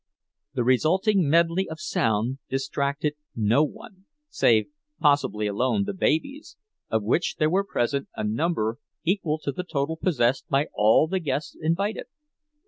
The resulting medley of sound distracted no one, save possibly alone the babies, of which there were present a number equal to the total possessed by all the guests invited.